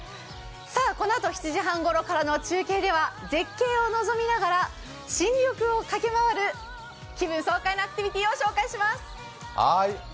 このあと７時半ごろからの中継では絶景を望みながら新緑を駆け回る気分爽快なアクティビティを紹介します。